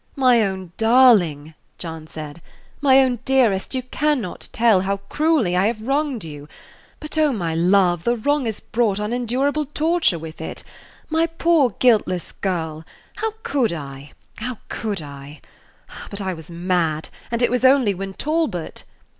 "My own darling," John said, "my own dearest, you can not tell how cruelly I have wronged you. But oh, my love, the wrong has brought unendurable torture with it. My poor, guiltless girl! how could I how could I But I was mad, and it was only when Talbot